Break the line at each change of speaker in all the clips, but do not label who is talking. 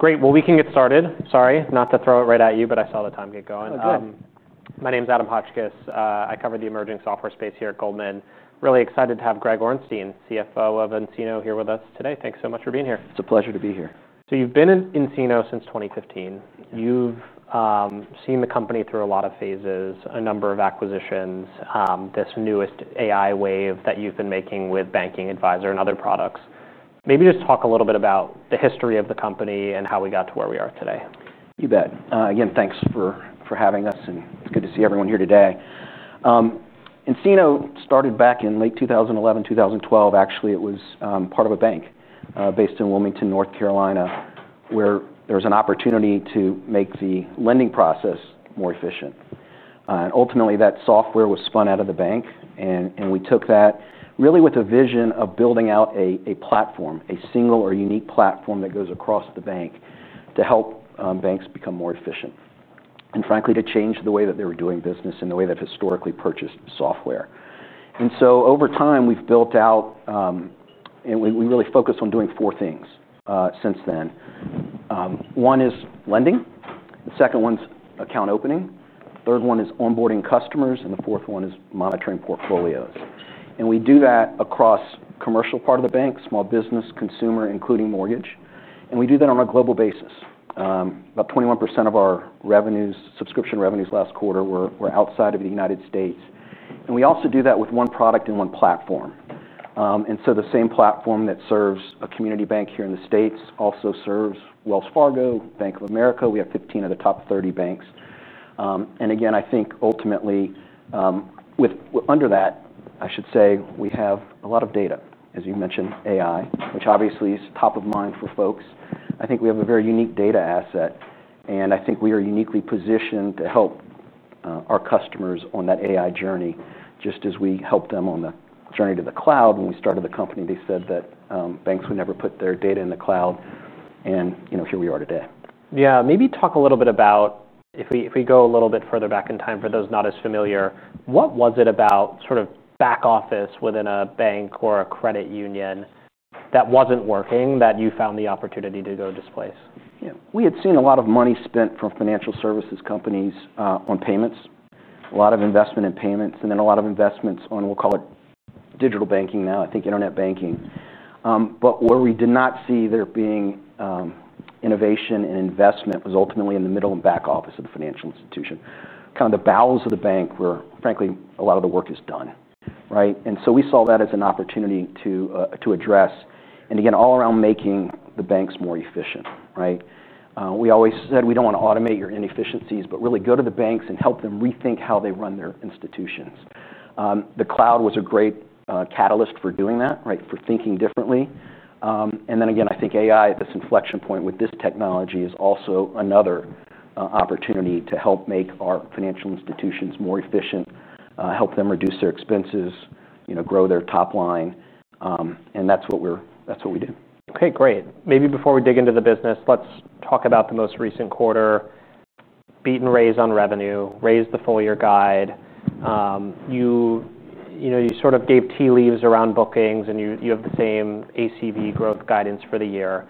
Great. We can get started. Sorry, not to throw it right at you, but I saw the time get going. My name is Adam Hotchkiss. I cover the emerging software space here at Goldman Sachs. Really excited to have Greg Orenstein, CFO of nCino, here with us today. Thanks so much for being here.
It's a pleasure to be here.
You've been at nCino since 2015. You've seen the company through a lot of phases, a number of acquisitions, this newest AI wave that you've been making with Banking Advisor and other products. Maybe just talk a little bit about the history of the company and how we got to where we are today.
You bet. Again, thanks for having us, and it's good to see everyone here today. nCino started back in late 2011, 2012. Actually, it was part of a bank based in Wilmington, North Carolina, where there was an opportunity to make the lending process more efficient. Ultimately, that software was spun out of the bank, and we took that really with a vision of building out a platform, a single or unique platform that goes across the bank to help banks become more efficient and, frankly, to change the way that they were doing business and the way they've historically purchased software. Over time, we've built out, and we really focused on doing four things since then. One is lending. The second one's account opening. The third one is onboarding customers, and the fourth one is monitoring portfolios. We do that across the commercial part of the bank, small business, consumer, including mortgage. We do that on a global basis. About 21% of our subscription revenues last quarter were outside of the United States. We also do that with one product and one platform. The same platform that serves a community bank here in the States also serves Wells Fargo, Bank of America. We have 15 of the top 30 banks. I think ultimately, under that, I should say we have a lot of data, as you mentioned, AI, which obviously is top of mind for folks. I think we have a very unique data asset, and I think we are uniquely positioned to help our customers on that AI journey, just as we helped them on the journey to the cloud. When we started the company, they said that banks would never put their data in the cloud, and here we are today.
Maybe talk a little bit about, if we go a little bit further back in time for those not as familiar, what was it about sort of back office within a bank or a credit union that wasn't working that you found the opportunity to go this place?
Yeah. We had seen a lot of money spent from financial services companies on payments, a lot of investment in payments, and then a lot of investments on, we'll call it digital banking now, I think internet banking. Where we did not see there being innovation and investment was ultimately in the middle and back office of the financial institution, kind of the bowels of the bank where, frankly, a lot of the work is done. We saw that as an opportunity to address, all around making the banks more efficient. We always said we don't want to automate your inefficiencies, but really go to the banks and help them rethink how they run their institutions. The cloud was a great catalyst for doing that, for thinking differently. I think AI at this inflection point with this technology is also another opportunity to help make our financial institutions more efficient, help them reduce their expenses, grow their top line, and that's what we do.
OK, great. Maybe before we dig into the business, let's talk about the most recent quarter, beat and raise on revenue, raised the full year guide. You sort of gave tea leaves around bookings, and you have the same ACV growth guidance for the year.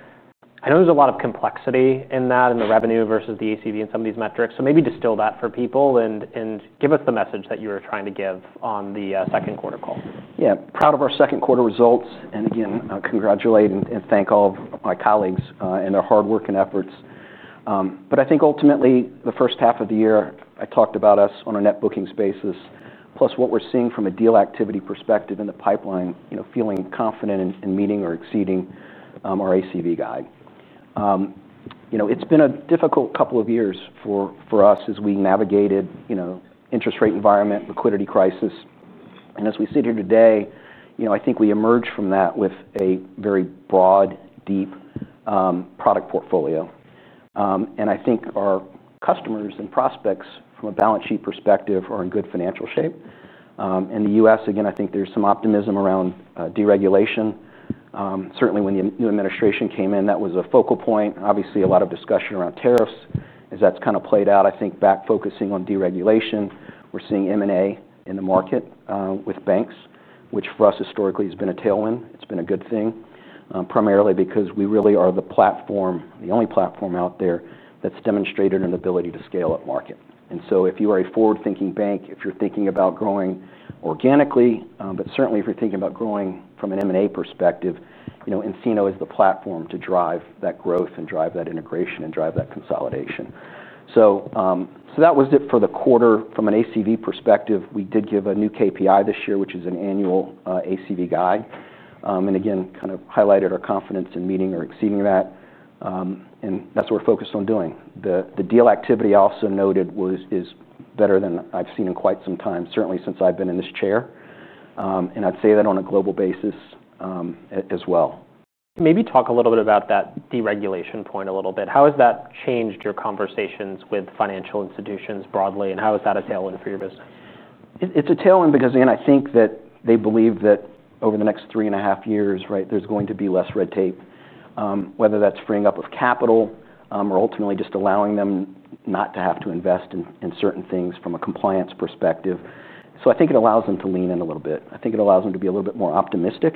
I know there's a lot of complexity in that, in the revenue versus the ACV in some of these metrics. Maybe distill that for people and give us the message that you were trying to give on the second quarter call.
Yeah. Proud of our second quarter results, and again, congratulate and thank all of my colleagues and their hard work and efforts. I think ultimately, the first half of the year, I talked about us on a net bookings basis, plus what we're seeing from a deal activity perspective in the pipeline, feeling confident in meeting or exceeding our ACV guide. It's been a difficult couple of years for us as we navigated the interest rate environment, liquidity crisis. As we sit here today, I think we emerge from that with a very broad, deep product portfolio. I think our customers and prospects from a balance sheet perspective are in good financial shape. In the U.S., again, I think there's some optimism around deregulation. Certainly, when the new administration came in, that was a focal point. Obviously, a lot of discussion around tariffs as that's kind of played out. I think back focusing on deregulation, we're seeing M&A in the market with banks, which for us historically has been a tailwind. It's been a good thing, primarily because we really are the platform, the only platform out there that's demonstrated an ability to scale up market. If you are a forward-thinking bank, if you're thinking about growing organically, but certainly if you're thinking about growing from an M&A perspective, nCino is the platform to drive that growth and drive that integration and drive that consolidation. That was it for the quarter. From an ACV perspective, we did give a new KPI this year, which is an annual ACV guide, and again, kind of highlighted our confidence in meeting or exceeding that. That's what we're focused on doing. The deal activity also noted was better than I've seen in quite some time, certainly since I've been in this chair. I'd say that on a global basis as well.
Maybe talk a little bit about that deregulation point. How has that changed your conversations with financial institutions broadly, and how is that a tailwind for your business?
It's a tailwind because, again, I think that they believe that over the next three and a half years, there's going to be less red tape, whether that's freeing up of capital or ultimately just allowing them not to have to invest in certain things from a compliance perspective. I think it allows them to lean in a little bit. I think it allows them to be a little bit more optimistic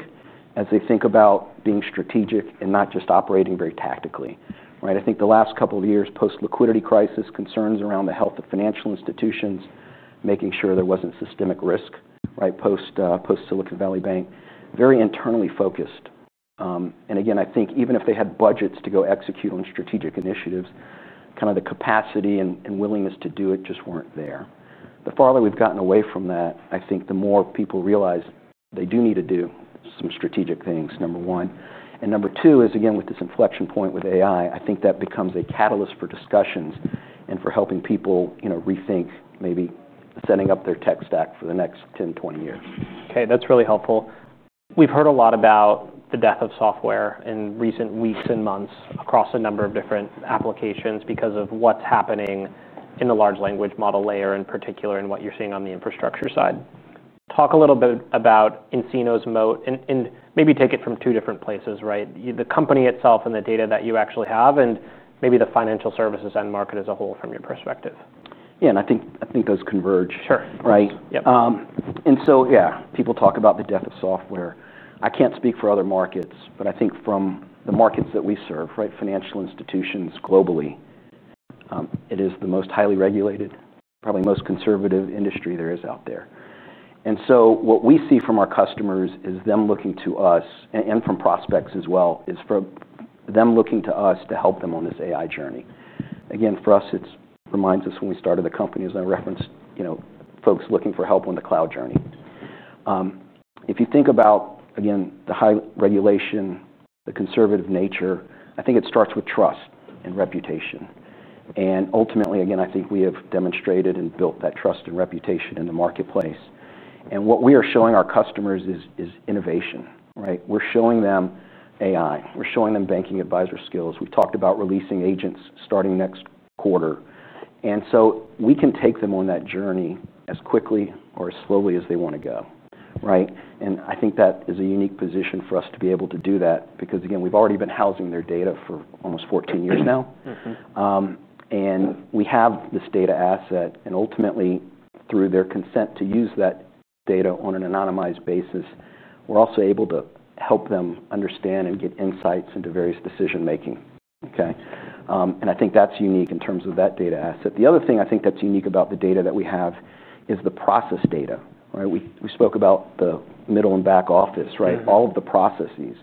as they think about being strategic and not just operating very tactically. The last couple of years post-liquidity crisis, concerns around the health of financial institutions, making sure there wasn't systemic risk post-Silicon Valley Bank, very internally focused. I think even if they had budgets to go execute on strategic initiatives, kind of the capacity and willingness to do it just weren't there. The farther we've gotten away from that, I think the more people realize they do need to do some strategic things, number one. Number two is, again, with this inflection point with AI, I think that becomes a catalyst for discussions and for helping people rethink maybe setting up their tech stack for the next 10, 20 years.
OK. That's really helpful. We've heard a lot about the death of software in recent weeks and months across a number of different applications because of what's happening in the large language model layer in particular and what you're seeing on the infrastructure side. Talk a little bit about nCino's moat and maybe take it from two different places, the company itself and the data that you actually have, and maybe the financial services and market as a whole from your perspective.
I think those converge.
Sure.
Yeah, people talk about the death of software. I can't speak for other markets, but I think from the markets that we serve, financial institutions globally, it is the most highly regulated, probably most conservative industry there is out there. What we see from our customers is them looking to us and from prospects as well is for them looking to us to help them on this AI journey. For us, it reminds us when we started the company, as I referenced, folks looking for help on the cloud journey. If you think about the high regulation, the conservative nature, I think it starts with trust and reputation. Ultimately, I think we have demonstrated and built that trust and reputation in the marketplace. What we are showing our customers is innovation. We're showing them AI. We're showing them Banking Advisor skills. We've talked about releasing agents starting next quarter. We can take them on that journey as quickly or as slowly as they want to go. I think that is a unique position for us to be able to do that because we've already been housing their data for almost 14 years now. We have this data asset, and ultimately, through their consent to use that data on an anonymized basis, we're also able to help them understand and get insights into various decision making. I think that's unique in terms of that data asset. The other thing I think that's unique about the data that we have is the process data. We spoke about the middle and back office, all of the processes.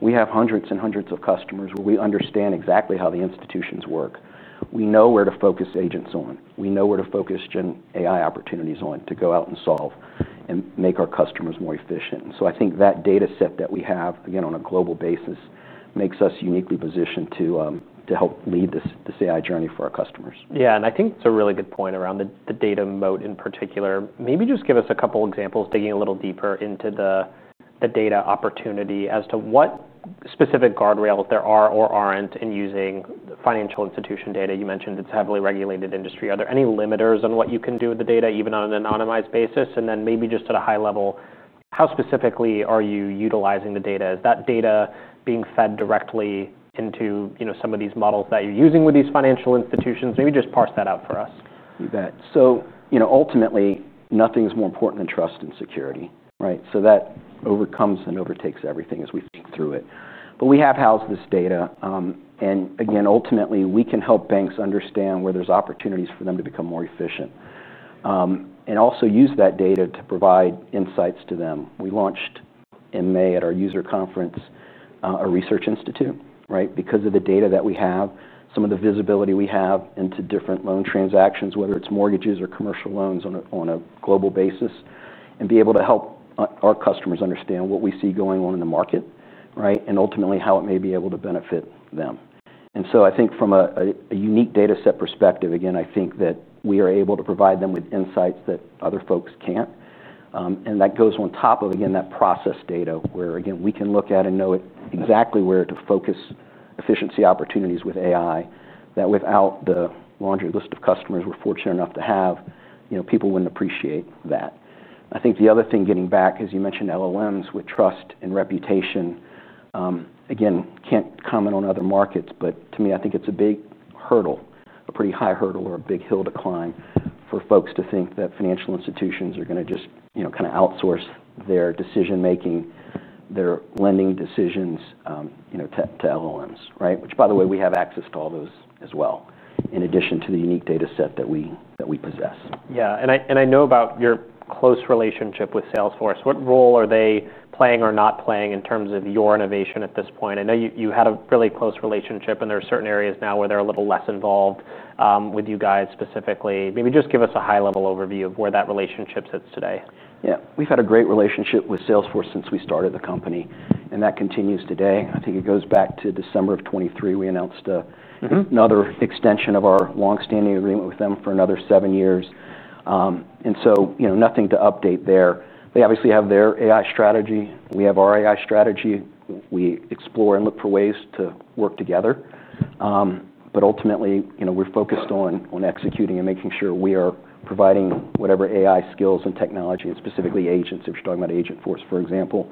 We have hundreds and hundreds of customers where we understand exactly how the institutions work. We know where to focus agents on. We know where to focus gen AI opportunities on to go out and solve and make our customers more efficient. I think that data set that we have, on a global basis, makes us uniquely positioned to help lead this AI journey for our customers.
Yeah. I think it's a really good point around the data moat in particular. Maybe just give us a couple of examples, digging a little deeper into the data opportunity as to what specific guardrails there are or aren't in using the financial institution data. You mentioned it's a heavily regulated industry. Are there any limiters on what you can do with the data, even on an anonymized basis? Maybe just at a high level, how specifically are you utilizing the data? Is that data being fed directly into some of these models that you're using with these financial institutions? Maybe just parse that out for us.
You bet. Ultimately, nothing is more important than trust and security. That overcomes and overtakes everything as we think through it. We have housed this data. Ultimately, we can help banks understand where there's opportunities for them to become more efficient and also use that data to provide insights to them. We launched in May at our user conference a research institute because of the data that we have, some of the visibility we have into different loan transactions, whether it's mortgages or commercial loans on a global basis, and be able to help our customers understand what we see going on in the market and ultimately how it may be able to benefit them. From a unique data set perspective, I think that we are able to provide them with insights that other folks can't. That goes on top of that process data where we can look at and know exactly where to focus efficiency opportunities with AI. Without the laundry list of customers we're fortunate enough to have, people wouldn't appreciate that. The other thing, getting back, as you mentioned, LLMs with trust and reputation, I can't comment on other markets, but to me, I think it's a big hurdle, a pretty high hurdle, or a big hill to climb for folks to think that financial institutions are going to just kind of outsource their decision making, their lending decisions to LLMs, which, by the way, we have access to all those as well, in addition to the unique data set that we possess.
Yeah. I know about your close relationship with Salesforce. What role are they playing or not playing in terms of your innovation at this point? I know you had a really close relationship, and there are certain areas now where they're a little less involved with you guys specifically. Maybe just give us a high-level overview of where that relationship sits today.
Yeah. We've had a great relationship with Salesforce since we started the company, and that continues today. I think it goes back to December of 2023, we announced another extension of our longstanding agreement with them for another seven years. There is nothing to update there. They obviously have their AI strategy. We have our AI strategy. We explore and look for ways to work together. Ultimately, we're focused on executing and making sure we are providing whatever AI skills and technology, and specifically agents, if you're talking about agent force, for example,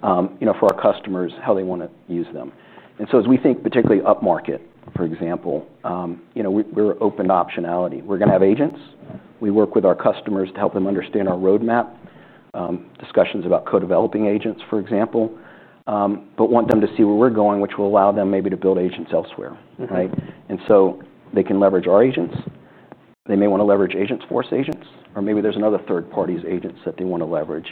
for our customers, how they want to use them. As we think particularly up market, for example, we're open to optionality. We're going to have agents. We work with our customers to help them understand our roadmap, discussions about co-developing agents, for example, but want them to see where we're going, which will allow them maybe to build agents elsewhere. They can leverage our agents. They may want to leverage agents, force agents, or maybe there's another third party's agents that they want to leverage.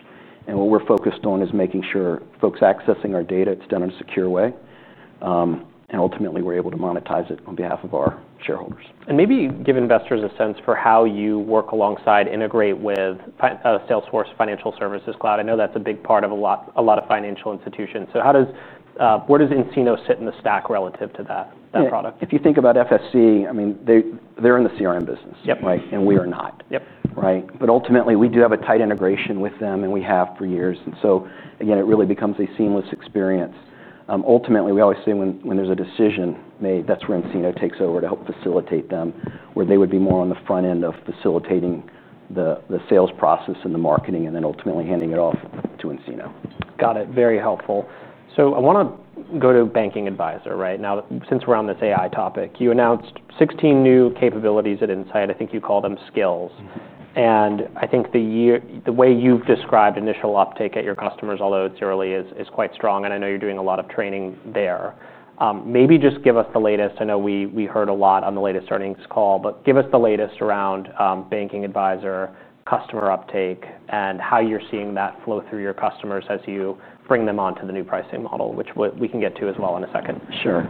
What we're focused on is making sure folks accessing our data, it's done in a secure way, and ultimately, we're able to monetize it on behalf of our shareholders.
Maybe give investors a sense for how you work alongside, integrate with Salesforce Financial Services Cloud. I know that's a big part of a lot of financial institutions. Where does nCino sit in the stack relative to that product?
If you think about Financial Services Cloud, I mean, they're in the CRM business, and we are not. Ultimately, we do have a tight integration with them, and we have for years. It really becomes a seamless experience. Ultimately, we always say when there's a decision made, that's where nCino takes over to help facilitate them, where they would be more on the front end of facilitating the sales process and the marketing and then ultimately handing it off to nCino.
Got it. Very helpful. I want to go to Banking Advisor. Now, since we're on this AI topic, you announced 16 new capabilities at Insight. I think you call them skills. I think the way you've described initial uptake at your customers, although it's early, is quite strong. I know you're doing a lot of training there. Maybe just give us the latest. I know we heard a lot on the latest earnings call, but give us the latest around Banking Advisor customer uptake and how you're seeing that flow through your customers as you bring them onto the new pricing model, which we can get to as well in a second.
Sure.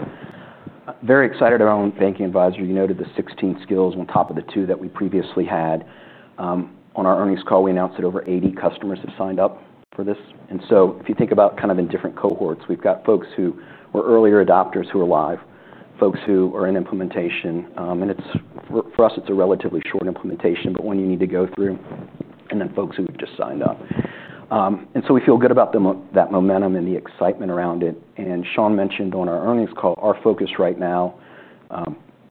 Very excited around Banking Advisor. You noted the 16 skills on top of the two that we previously had. On our earnings call, we announced that over 80 customers have signed up for this. If you think about kind of in different cohorts, we've got folks who were earlier adopters who are live, folks who are in implementation. For us, it's a relatively short implementation, but one you need to go through, and then folks who have just signed up. We feel good about that momentum and the excitement around it. Sean mentioned on our earnings call, our focus right now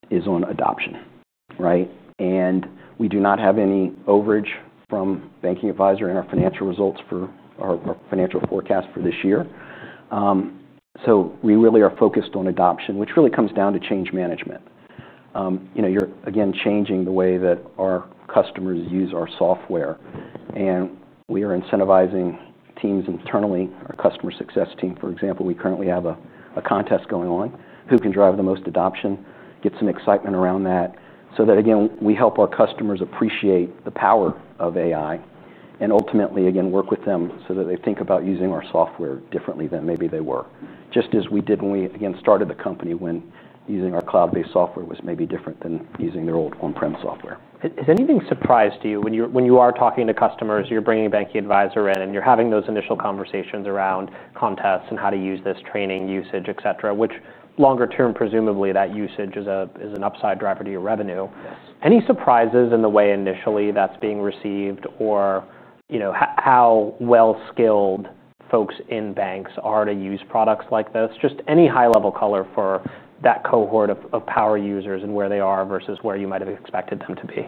is on adoption. We do not have any overage from Banking Advisor in our financial results for our financial forecast for this year. We really are focused on adoption, which really comes down to change management. You're again changing the way that our customers use our software. We are incentivizing teams internally, our Customer Success team, for example. We currently have a contest going on, who can drive the most adoption, get some excitement around that, so that again, we help our customers appreciate the power of AI and ultimately again work with them so that they think about using our software differently than maybe they were, just as we did when we again started the company when using our cloud-based software was maybe different than using their old on-prem software.
Has anything surprised you when you are talking to customers, you're bringing Banking Advisor in, and you're having those initial conversations around contests and how to use this, training usage, et cetera, which longer term, presumably, that usage is an upside driver to your revenue?
Yes.
Any surprises in the way initially that's being received or how well-skilled folks in banks are to use products like this? Just any high-level color for that cohort of power users and where they are versus where you might have expected them to be.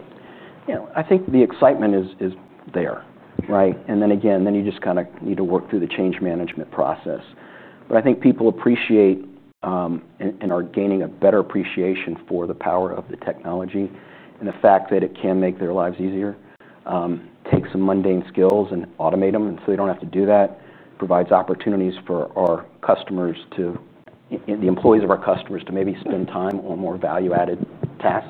I think the excitement is there. You just kind of need to work through the change management process. I think people appreciate and are gaining a better appreciation for the power of the technology and the fact that it can make their lives easier, take some mundane skills and automate them so they don't have to do that, provides opportunities for our customers and the employees of our customers to maybe spend time on more value-added tasks.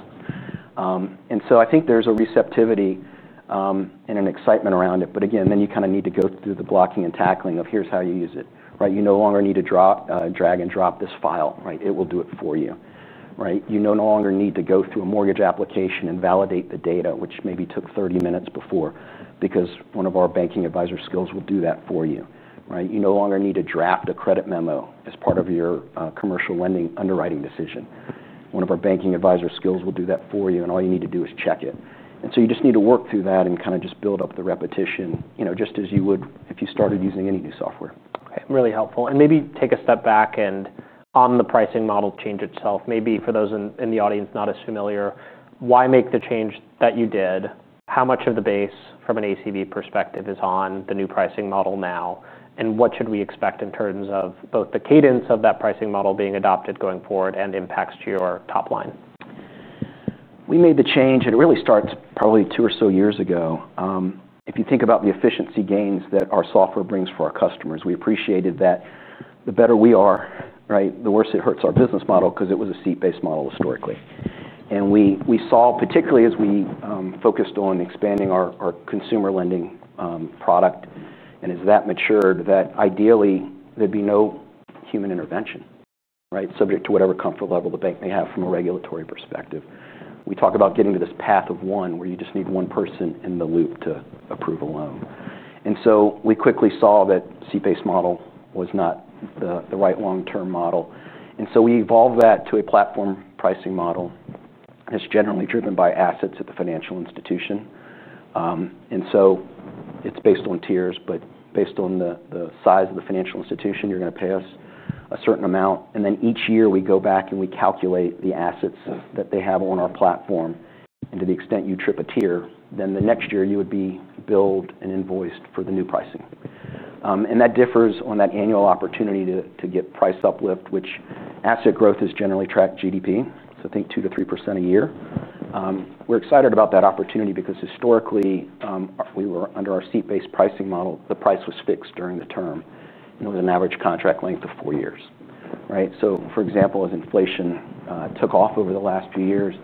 I think there's a receptivity and an excitement around it. You kind of need to go through the blocking and tackling of here's how you use it. You no longer need to drag and drop this file. It will do it for you. You no longer need to go through a mortgage application and validate the data, which maybe took 30 minutes before, because one of our Banking Advisor skills will do that for you. You no longer need to draft a credit memo as part of your commercial lending underwriting decision. One of our Banking Advisor skills will do that for you, and all you need to do is check it. You just need to work through that and kind of just build up the repetition just as you would if you started using any new software.
Really helpful. Maybe take a step back and on the pricing model change itself, maybe for those in the audience not as familiar, why make the change that you did? How much of the base from an ACV perspective is on the new pricing model now? What should we expect in terms of both the cadence of that pricing model being adopted going forward and impacts to your top line?
We made the change, and it really starts probably two or so years ago. If you think about the efficiency gains that our software brings for our customers, we appreciated that the better we are, the worse it hurts our business model because it was a seat-based model historically. We saw, particularly as we focused on expanding our consumer lending product, and as that matured, that ideally, there'd be no human intervention, subject to whatever comfort level the bank may have from a regulatory perspective. We talk about getting to this path of one where you just need one person in the loop to approve a loan. We quickly saw that a seat-based model was not the right long-term model. We evolved that to a platform pricing model that's generally driven by assets at the financial institution. It's based on tiers, but based on the size of the financial institution, you're going to pay us a certain amount. Each year, we go back and we calculate the assets that they have on our platform. To the extent you trip a tier, then the next year you would be billed and invoiced for the new pricing. That differs on that annual opportunity to get price uplift, which asset growth is generally tracked GDP, so I think 2% to 3% a year. We're excited about that opportunity because historically, if we were under our seat-based pricing model, the price was fixed during the term and with an average contract length of four years. For example, as inflation took off over the last few years,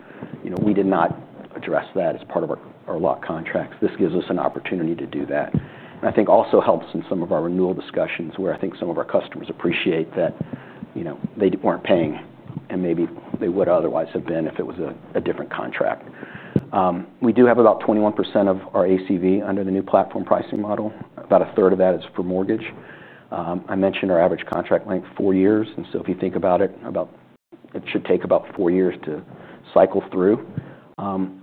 we did not address that as part of our locked contracts. This gives us an opportunity to do that. I think also helps in some of our renewal discussions where I think some of our customers appreciate that they weren't paying and maybe they would otherwise have been if it was a different contract. We do have about 21% of our ACV under the new platform pricing model. About a third of that is for mortgage. I mentioned our average contract length, four years. If you think about it, it should take about four years to cycle through.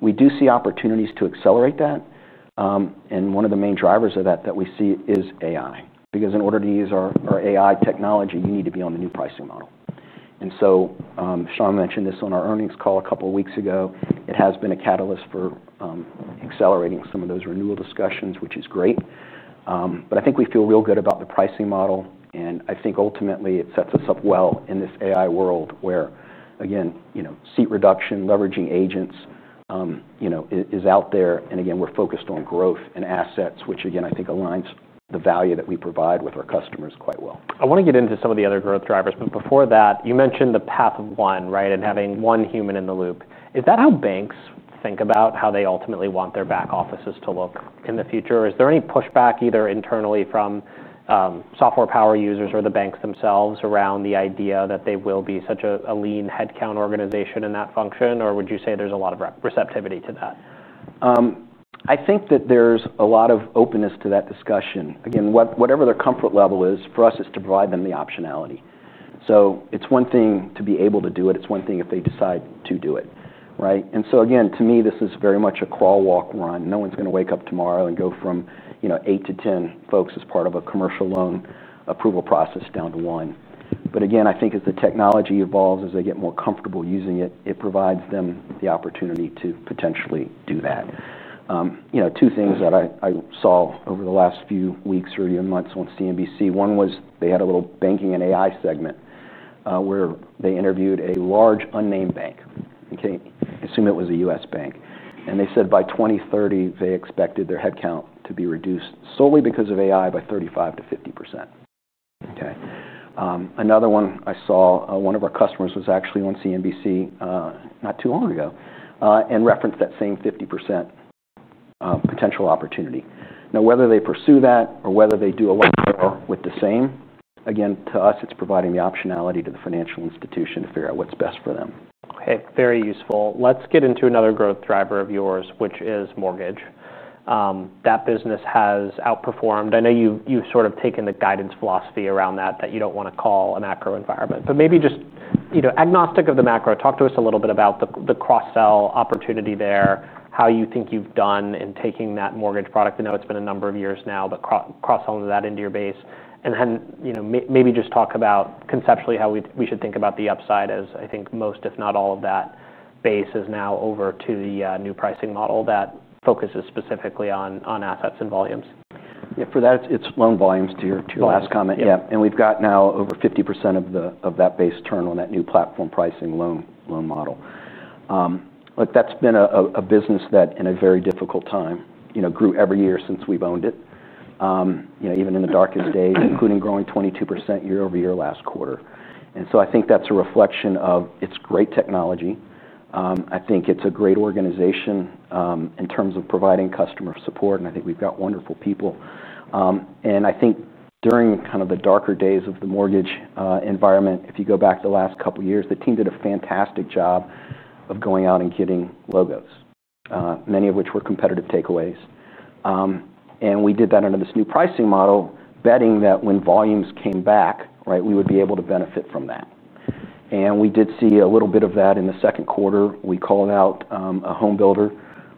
We do see opportunities to accelerate that. One of the main drivers of that that we see is AI, because in order to use our AI technology, you need to be on the new pricing model. Sean mentioned this on our earnings call a couple of weeks ago. It has been a catalyst for accelerating some of those renewal discussions, which is great. I think we feel real good about the pricing model. I think ultimately, it sets us up well in this AI world where, again, seat reduction, leveraging agents is out there. We're focused on growth and assets, which again, I think aligns the value that we provide with our customers quite well.
I want to get into some of the other growth drivers. Before that, you mentioned the path of one and having one human in the loop. Is that how banks think about how they ultimately want their back offices to look in the future? Is there any pushback either internally from software power users or the banks themselves around the idea that they will be such a lean headcount organization in that function? Would you say there's a lot of receptivity to that?
I think that there's a lot of openness to that discussion. Again, whatever their comfort level is, for us, it's to provide them the optionality. It's one thing to be able to do it. It's one thing if they decide to do it. To me, this is very much a crawl, walk, run. No one's going to wake up tomorrow and go from 8 to 10 folks as part of a commercial loan approval process down to one. I think as the technology evolves, as they get more comfortable using it, it provides them the opportunity to potentially do that. Two things that I saw over the last few weeks or even months on CNBC: one was they had a little banking and AI segment where they interviewed a large unnamed bank. I assume it was a U.S. bank. They said by 2030, they expected their headcount to be reduced solely because of AI by 35% to 50%. Another one I saw, one of our customers was actually on CNBC not too long ago and referenced that same 50% potential opportunity. Now, whether they pursue that or whether they do a lot more with the same, to us, it's providing the optionality to the financial institution to figure out what's best for them.
OK. Very useful. Let's get into another growth driver of yours, which is mortgage. That business has outperformed. I know you've sort of taken the guidance philosophy around that, that you don't want to call a macro environment. Maybe just agnostic of the macro, talk to us a little bit about the cross-sell opportunity there, how you think you've done in taking that mortgage product. I know it's been a number of years now, but cross-selling that into your base. Maybe just talk about conceptually how we should think about the upside as I think most, if not all, of that base is now over to the new pricing model that focuses specifically on assets and volumes.
Yeah. For that, it's loan volumes to your last comment.
Yeah.
We've got now over 50% of that base turned on that new platform pricing loan model. That's been a business that, in a very difficult time, grew every year since we've owned it, even in the darkest days, including growing 22% year over year last quarter. I think that's a reflection of it's great technology. I think it's a great organization in terms of providing customer support. I think we've got wonderful people. I think during kind of the darker days of the mortgage environment, if you go back the last couple of years, the team did a fantastic job of going out and getting logos, many of which were competitive takeaways. We did that under this new pricing model, betting that when volumes came back, we would be able to benefit from that. We did see a little bit of that in the second quarter. We called out a home builder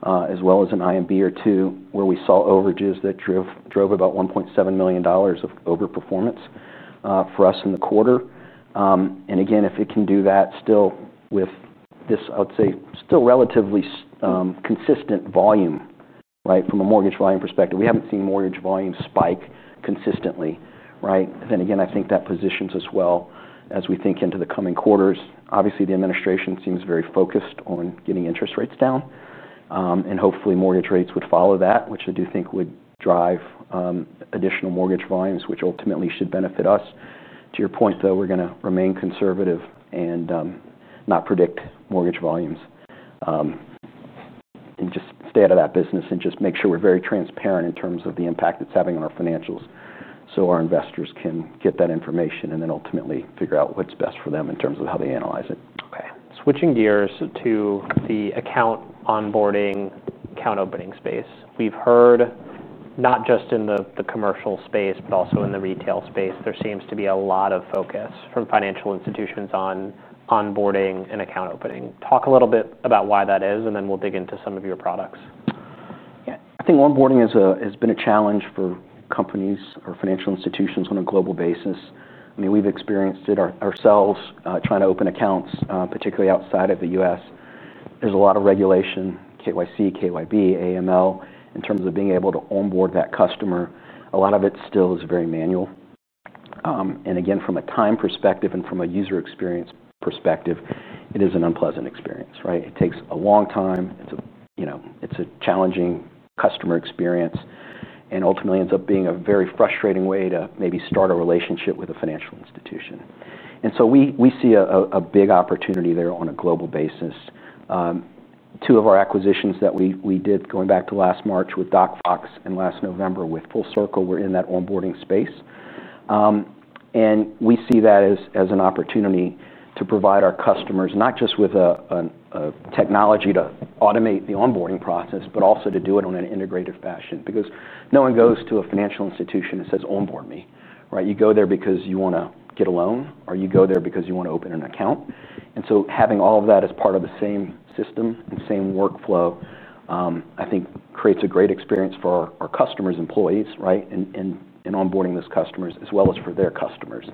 as well as an IMB or two where we saw overages that drove about $1.7 million of overperformance for us in the quarter. If it can do that still with this, I would say, still relatively consistent volume from a mortgage volume perspective, we haven't seen mortgage volumes spike consistently. I think that positions us well as we think into the coming quarters. Obviously, the administration seems very focused on getting interest rates down. Hopefully, mortgage rates would follow that, which I do think would drive additional mortgage volumes, which ultimately should benefit us. To your point, though, we're going to remain conservative and not predict mortgage volumes and just stay out of that business and just make sure we're very transparent in terms of the impact it's having on our financials so our investors can get that information and then ultimately figure out what's best for them in terms of how they analyze it.
OK. Switching gears to the account onboarding, account opening space. We've heard not just in the commercial space, but also in the retail space, there seems to be a lot of focus from financial institutions on onboarding and account opening. Talk a little bit about why that is, and then we'll dig into some of your products.
Yeah. I think onboarding has been a challenge for companies or financial institutions on a global basis. I mean, we've experienced it ourselves trying to open accounts, particularly outside of the U.S. There's a lot of regulation, KYC, KYB, AML, in terms of being able to onboard that customer. A lot of it still is very manual. From a time perspective and from a user experience perspective, it is an unpleasant experience. It takes a long time. It's a challenging customer experience and ultimately ends up being a very frustrating way to maybe start a relationship with a financial institution. We see a big opportunity there on a global basis. Two of our acquisitions that we did going back to last March with DocFox and last November with Full Circle were in that onboarding space. We see that as an opportunity to provide our customers not just with a technology to automate the onboarding process, but also to do it in an integrative fashion. No one goes to a financial institution and says, "Onboard me." You go there because you want to get a loan, or you go there because you want to open an account. Having all of that as part of the same system and same workflow, I think, creates a great experience for our customers, employees, and onboarding those customers as well as for their customers.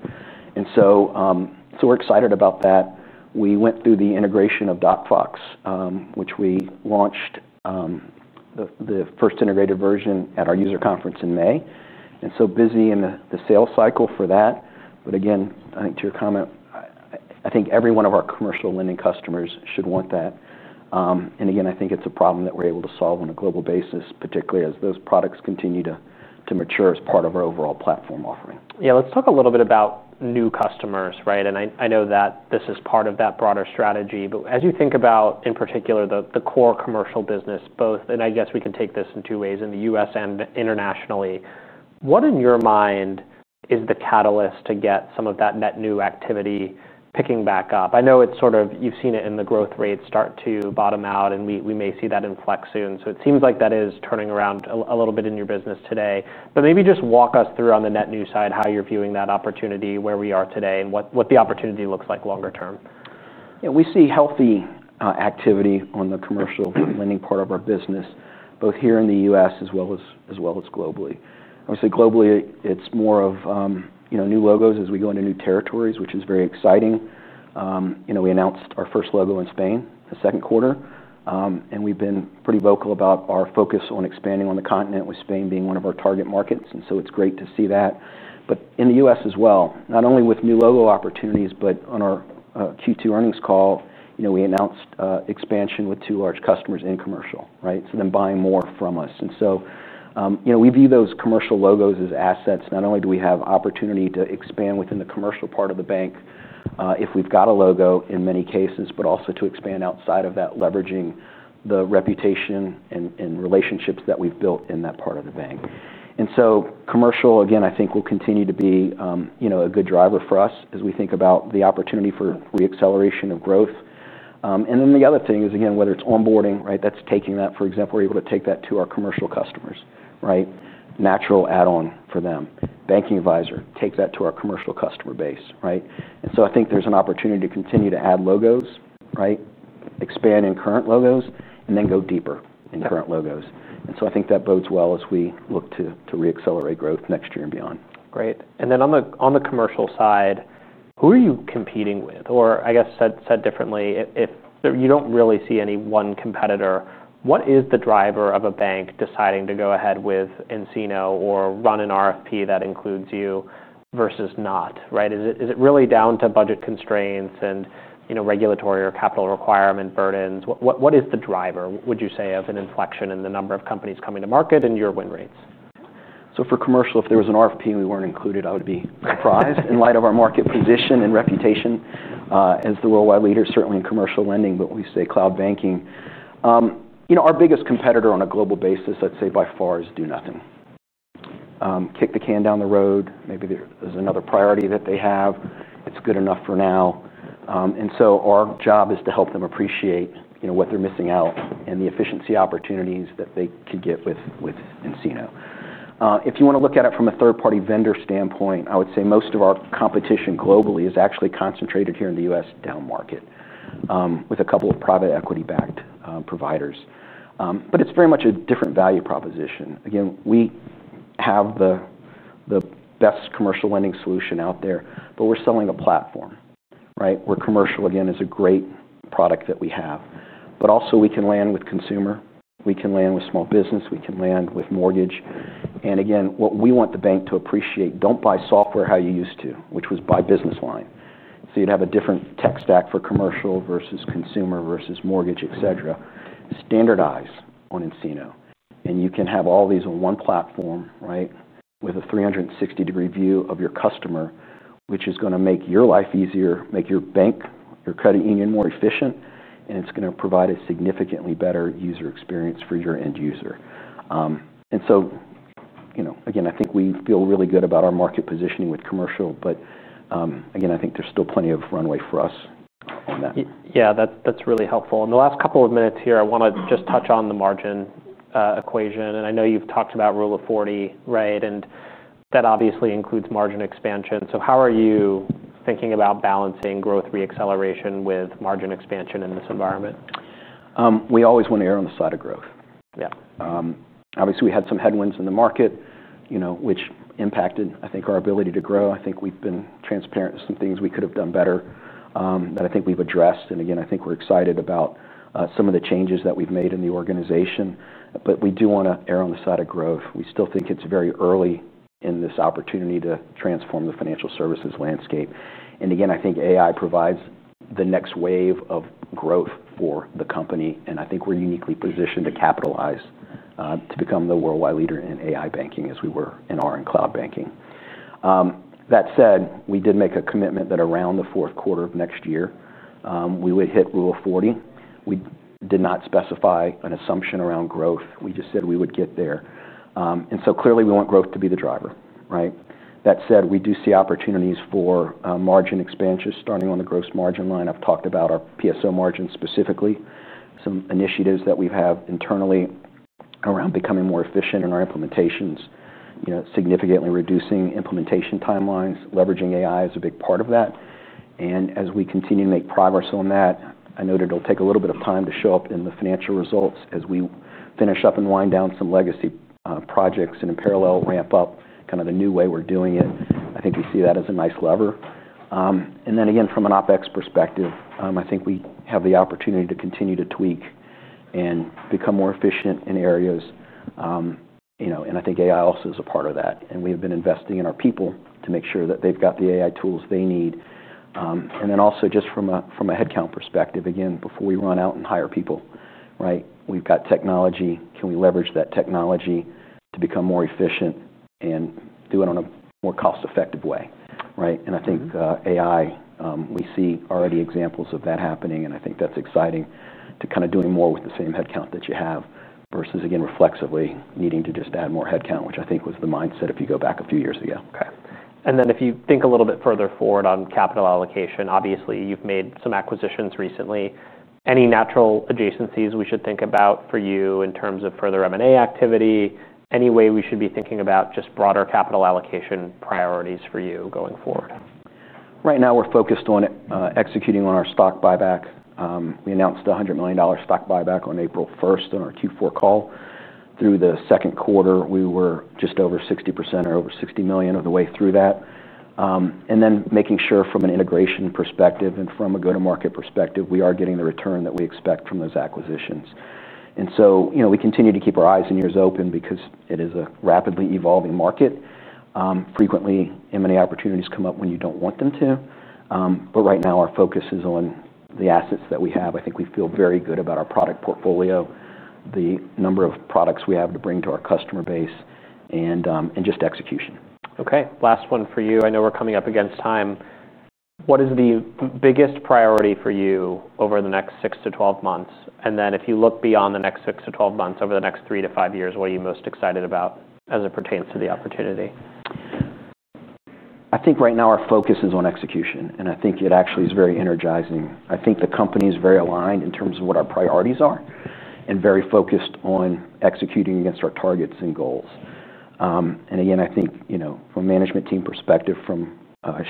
We're excited about that. We went through the integration of DocFox, which we launched the first integrated version at our user conference in May. We're busy in the sales cycle for that. I think to your comment, I think every one of our commercial lending customers should want that. I think it's a problem that we're able to solve on a global basis, particularly as those products continue to mature as part of our overall platform offering.
Yeah. Let's talk a little bit about new customers. I know that this is part of that broader strategy. As you think about, in particular, the core commercial business, both, and I guess we can take this in two ways, in the U.S. and internationally, what in your mind is the catalyst to get some of that net new activity picking back up? I know you've seen it in the growth rates start to bottom out, and we may see that in flex soon. It seems like that is turning around a little bit in your business today. Maybe just walk us through on the net new side how you're viewing that opportunity, where we are today, and what the opportunity looks like longer term.
Yeah. We see healthy activity on the commercial lending part of our business, both here in the U.S. as well as globally. Obviously, globally, it's more of new logos as we go into new territories, which is very exciting. We announced our first logo in Spain the second quarter, and we've been pretty vocal about our focus on expanding on the continent, with Spain being one of our target markets. It's great to see that. In the U.S. as well, not only with new logo opportunities, but on our Q2 earnings call, we announced expansion with two large customers in commercial, so them buying more from us. We view those commercial logos as assets. Not only do we have opportunity to expand within the commercial part of the bank if we've got a logo in many cases, but also to expand outside of that, leveraging the reputation and relationships that we've built in that part of the bank. Commercial, again, I think will continue to be a good driver for us as we think about the opportunity for the acceleration of growth. The other thing is, again, whether it's onboarding, that's taking that, for example, we're able to take that to our commercial customers, natural add-on for them. Banking Advisor, take that to our commercial customer base. I think there's an opportunity to continue to add logos, expand in current logos, and then go deeper in current logos. I think that bodes well as we look to reaccelerate growth next year and beyond.
Great. On the commercial side, who are you competing with? I guess said differently, if you don't really see any one competitor, what is the driver of a bank deciding to go ahead with nCino or run an RFP that includes you versus not? Is it really down to budget constraints and regulatory or capital requirement burdens? What is the driver, would you say, of an inflection in the number of companies coming to market and your win rates?
For commercial, if there was an RFP and we weren't included, I would be surprised in light of our market position and reputation as the worldwide leader, certainly in commercial lending, but we say cloud banking. Our biggest competitor on a global basis, I'd say by far, is Do Nothing. Kick the can down the road. Maybe there's another priority that they have. It's good enough for now. Our job is to help them appreciate what they're missing out and the efficiency opportunities that they can get with nCino. If you want to look at it from a third-party vendor standpoint, I would say most of our competition globally is actually concentrated here in the U.S. down market with a couple of private equity-backed providers. It's very much a different value proposition. We have the best commercial lending solution out there, but we're selling a platform, where commercial, again, is a great product that we have. We can land with consumer. We can land with small business. We can land with mortgage. What we want the bank to appreciate, don't buy software how you used to, which was by business line. You'd have a different tech stack for commercial versus consumer versus mortgage, etc. Standardize on nCino. You can have all these on one platform with a 360-degree view of your customer, which is going to make your life easier, make your bank, your credit union more efficient. It's going to provide a significantly better user experience for your end user. We feel really good about our market positioning with commercial. There's still plenty of runway for us in that.
Yeah, that's really helpful. In the last couple of minutes here, I want to just touch on the margin equation. I know you've talked about Rule of 40, and that obviously includes margin expansion. How are you thinking about balancing growth reacceleration with margin expansion in this environment?
We always want to err on the side of growth.
Yeah.
Obviously, we had some headwinds in the market, which impacted, I think, our ability to grow. I think we've been transparent to some things we could have done better that I think we've addressed. I think we're excited about some of the changes that we've made in the organization. We do want to err on the side of growth. We still think it's very early in this opportunity to transform the financial services landscape. I think AI provides the next wave of growth for the company. I think we're uniquely positioned to capitalize to become the worldwide leader in AI banking as we were in our cloud banking. That said, we did make a commitment that around the fourth quarter of next year, we would hit Rule of 40. We did not specify an assumption around growth. We just said we would get there. Clearly, we want growth to be the driver. That said, we do see opportunities for margin expansion starting on the gross margin line. I've talked about our PSO margin specifically, some initiatives that we have internally around becoming more efficient in our implementations, significantly reducing implementation timelines, leveraging AI as a big part of that. As we continue to make progress on that, I know that it'll take a little bit of time to show up in the financial results as we finish up and wind down some legacy projects and in parallel ramp up kind of the new way we're doing it. I think you see that as a nice lever. From an OpEx perspective, I think we have the opportunity to continue to tweak and become more efficient in areas. I think AI also is a part of that. We have been investing in our people to make sure that they've got the AI tools they need. Also, just from a headcount perspective, before we run out and hire people, we've got technology. Can we leverage that technology to become more efficient and do it in a more cost-effective way? I think AI, we see already examples of that happening. I think that's exciting to kind of doing more with the same headcount that you have versus, again, reflexively needing to just add more headcount, which I think was the mindset if you go back a few years ago.
OK. If you think a little bit further forward on capital allocation, obviously, you've made some acquisitions recently. Any natural adjacencies we should think about for you in terms of further M&A activity? Any way we should be thinking about just broader capital allocation priorities for you going forward?
Right now, we're focused on executing on our stock buyback. We announced a $100 million stock buyback on April 1 in our Q4 call. Through the second quarter, we were just over 60% or over $60 million on the way through that. Making sure from an integration perspective and from a go-to-market perspective, we are getting the return that we expect from those acquisitions. We continue to keep our eyes and ears open because it is a rapidly evolving market. Frequently, M&A opportunities come up when you don't want them to. Right now, our focus is on the assets that we have. I think we feel very good about our product portfolio, the number of products we have to bring to our customer base, and just execution.
OK. Last one for you. I know we're coming up against time. What is the biggest priority for you over the next 6 to 12 months? If you look beyond the next 6 to 12 months, over the next 3 to 5 years, what are you most excited about as it pertains to the opportunity?
I think right now, our focus is on execution. It actually is very energizing. I think the company is very aligned in terms of what our priorities are and very focused on executing against our targets and goals. From a management team perspective, from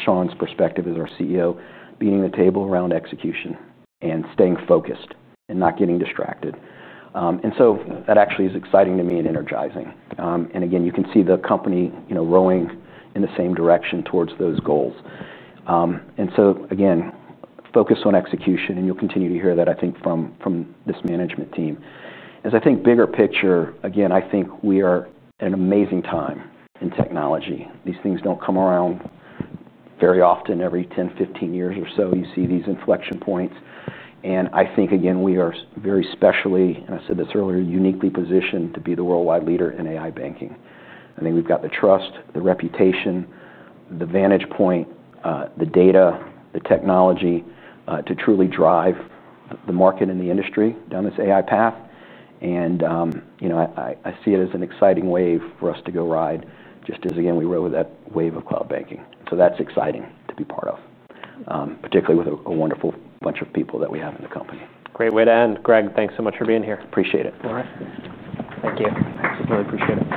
Sean's perspective as our CEO, being on the table around execution and staying focused and not getting distracted is exciting to me and energizing. You can see the company going in the same direction towards those goals. Focus on execution. You'll continue to hear that from this management team. Bigger picture, we are at an amazing time in technology. These things don't come around very often. Every 10, 15 years or so, you see these inflection points. We are very specially, and I said this earlier, uniquely positioned to be the worldwide leader in AI banking. I think we've got the trust, the reputation, the vantage point, the data, the technology to truly drive the market and the industry down this AI path. I see it as an exciting wave for us to go ride, just as we rode that wave of cloud banking. That's exciting to be part of, particularly with a wonderful bunch of people that we have in the company.
Great way to end. Greg, thanks so much for being here.
Appreciate it.
All right, thank you.
Super. I appreciate it.